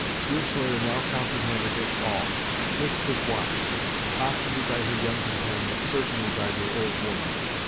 Deerslayer now comprehended it all. Hist was watched, possibly by her young companion, certainly by the old woman.